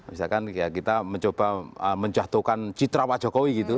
misalkan ya kita mencoba menjatuhkan citra wajokowi gitu